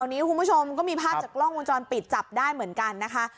วันนี้คุณผู้ชมก็มีภาพจากกล้องวงจรปิดจับได้เหมือนกันนะคะ